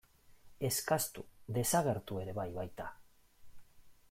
Eskastu desagertu ere bai baita.